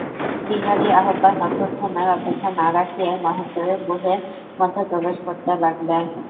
বিহারী আহ্বান-অভ্যর্থনার অপেক্ষা না রাখিয়াই মহেন্দ্রের ব্যুহের মধ্যে প্রবেশ করিতে লাগিল।